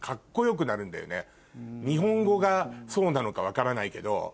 日本語がそうなのか分からないけど。